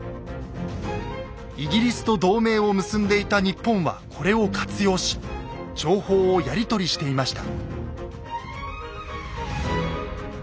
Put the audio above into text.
イギリスと同盟を結んでいた日本はこれを活用し情報をやり取りしていました。